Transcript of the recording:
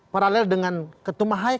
paralel dengan ketumah haya